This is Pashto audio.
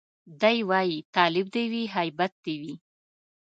دی وايي تالب دي وي هيبت دي وي